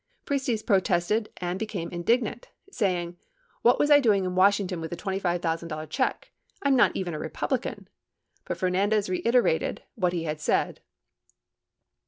Priestes protested and became indignant, say ing "What was I doing in Washington with a $25,000 check; I'm not even a Republican," but Fernandez reiterated what he had said.